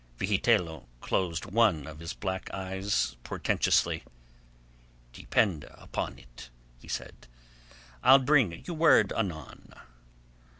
Vigitello closed one of his black eyes portentously. "Depend upon it," he said, "I'll bring you word anon."